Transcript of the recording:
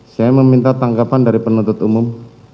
saya meminta tanggapan dari penuntut umum